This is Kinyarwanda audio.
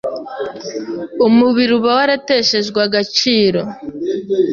umubiri uba warateshejwe agaciro.